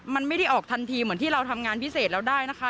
มันไม่ได้ออกทันทีเหมือนที่เราทำงานพิเศษเราได้นะคะ